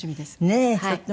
ねえとっても。